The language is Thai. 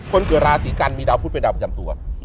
คนเกิดราศีกันมีดาวพุทธเป็นดาวประจำตัว